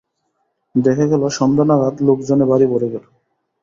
দেখা গেল, সন্ধ্যা নাগাদ লোকজনে বাড়ি ভরে গেল।